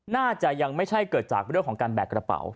น่าจะยังไม่ใช่เกิดจากเรื่องของการแบกกระเป๋า